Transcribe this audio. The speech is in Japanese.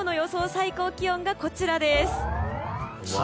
最高気温がこちら。